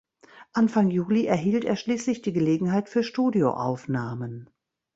Anfang Juli erhielt er schließlich die Gelegenheit für Studioaufnahmen.